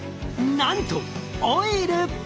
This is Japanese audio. なんとオイル！